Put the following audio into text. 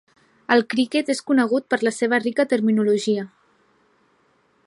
El criquet és conegut per la seva rica terminologia.